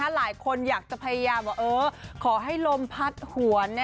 หลายคนอยากจะพยายามว่าขอให้ลมพัดหวน